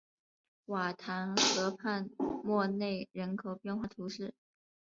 瓦唐河畔默内人口变化图示